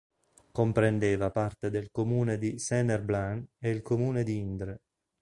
Comprendeva parte del comune di Saint-Herblain e il comune di Indre.